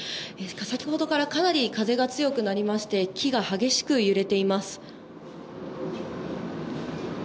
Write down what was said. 先ほどからかなり風が強くなりまして木が激しく揺れています。